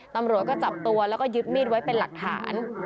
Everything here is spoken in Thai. ตำรวจก็จับตัวแล้วก็ยึดมีดไว้เป็นหลักฐาน